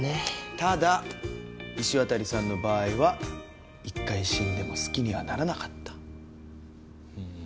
ただ石渡さんの場合は１回死んでも好きにはならなかった。